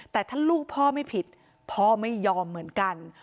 แต่ถ้าลูกพ่อไม่ผิดพ่อไม่ยอมเหมือนกัน